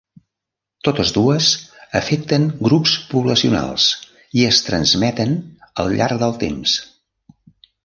Totes dues afecten grups poblacionals i es transmeten al llarg del temps.